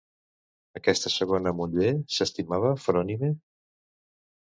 Aquesta segona muller s'estimava Frònime?